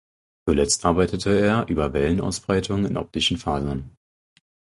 Zuletzt arbeitete er über Wellenausbreitung in optischen Fasern.